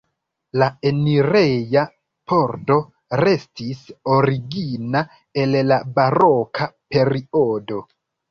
La enireja pordo restis origina el la baroka periodo.